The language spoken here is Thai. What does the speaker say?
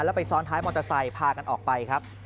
แล้วไปซ้อนท้ายมอเตอร์ไซค์พากันออกไปครับ